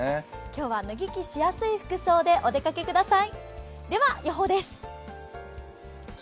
今日は脱ぎ着しやすい服装でお出かけください。